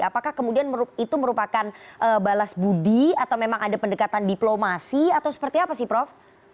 apakah kemudian itu merupakan balas budi atau memang ada pendekatan diplomasi atau seperti apa sih prof